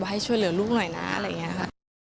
ให้ช่วยเหลือลูกหน่อยนะอะไรอย่างนี้ค่ะ